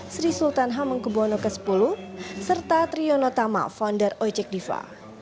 sri sultan hamengkubwono x serta triyono tama founder ojek diva